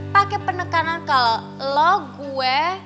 pake penekanan kalo lo gue